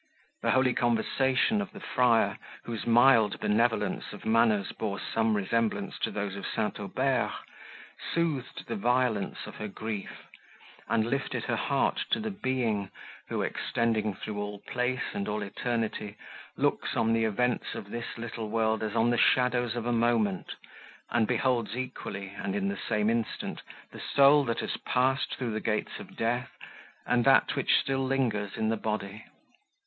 The holy conversation of the friar, whose mild benevolence of manners bore some resemblance to those of St. Aubert, soothed the violence of her grief, and lifted her heart to the Being, who, extending through all place and all eternity, looks on the events of this little world as on the shadows of a moment, and beholds equally, and in the same instant, the soul that has passed the gates of death, and that, which still lingers in the body.